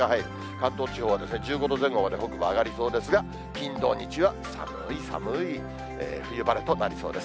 関東地方はですね、１５度前後まで北部上がりそうですが、金、土、日は寒い、寒い冬晴れとなりそうです。